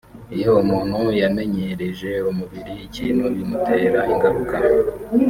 Iyo umuntu yamenyereje umubiri ikintu bimutera ingaruka